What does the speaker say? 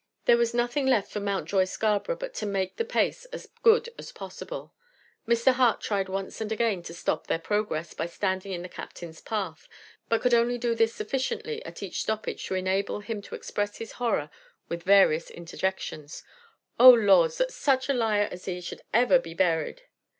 There was nothing left for Mountjoy Scarborough but to make the pace as good as possible. Mr. Hart tried once and again to stop their progress by standing in the captain's path, but could only do this sufficiently at each stoppage to enable him to express his horror with various interjections. "Oh laws! that such a liar as 'e should ever be buried!"